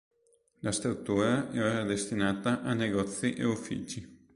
La struttura è ora destinata a negozi e uffici.